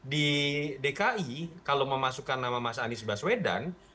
di dki kalau memasukkan nama mas anies baswedan